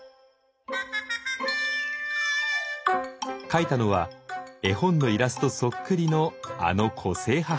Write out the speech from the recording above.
書いたのは絵本のイラストそっくりのあの個性派俳優。